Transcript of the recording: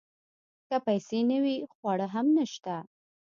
که پیسې نه وي خواړه هم نشته .